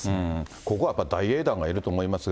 ここはやっぱり大英断がいると思いますが。